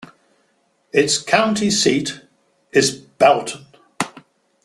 Its county seat is Belton.